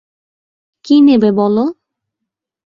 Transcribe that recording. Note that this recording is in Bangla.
কী নেবে বলো?